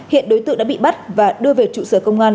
hiện đối tượng đã bị bắt và đưa về trụ sở công an